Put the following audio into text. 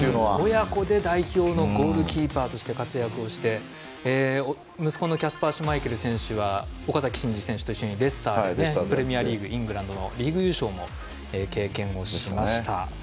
親子で代表のゴールキーパーとして活躍をして息子のキャスパー・シュマイケル選手は岡崎慎司選手と一緒にレスターでプレミアリーグ、イングランドの。リーグ優勝も経験しました。